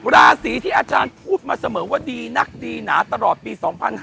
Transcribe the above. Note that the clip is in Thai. ราศีที่อาจารย์พูดมาเสมอว่าดีนักดีหนาตลอดปี๒๕๕๙